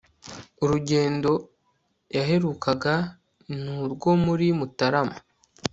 urugendo yaherukaga ni urwo muri mutarama